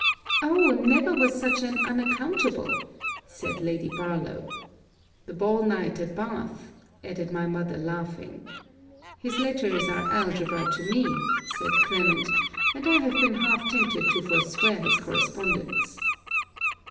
'Oh never was such an unaccountable!' said Lady Barlowe. 'The ball night at Bath!' added my mother laughing. 'His letters are algebra to me;' said Clement, 'and I have been half tempted to forswear his correspondence.'